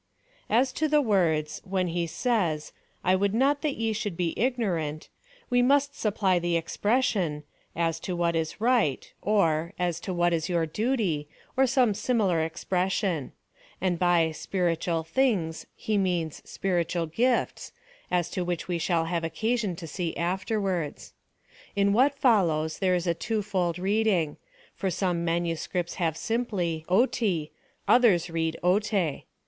As to the words ; when he says —/ would not that ye should he ignorant, we must supply the expression — as to what is right, or as to what is your duty, or some similar ex pression ; and by spiritual things he means spiritual gifts, as to which we shall have occasion to see afterwards. In what follows there is a twofold reading ; for some manu scripts have simply on : others add ore.